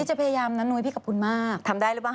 จะพยายามนะนุ้ยพี่ขอบคุณมากทำได้หรือเปล่า